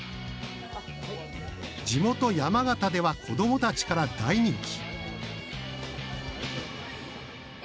地元・山形では子どもたちから大人気。